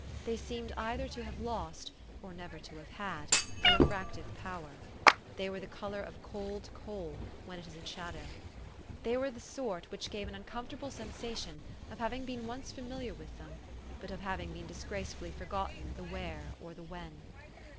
They seemed either to have lost, or never to have had, the refractive power. They were the color of cold coal when it is in shadow. They were of the sort which give us the uncomfor 294 THE STORY OF AVIS. table sensation of having been once familiar with them, but of having disgracefully forgotten the where or the when.